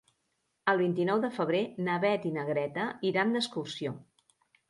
El vint-i-nou de febrer na Beth i na Greta iran d'excursió.